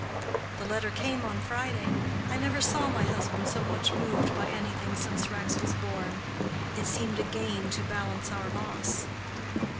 The letter came on Friday. I never saw my husband so much moved by anything since Rex was born. It seemed a gain to balance our loss."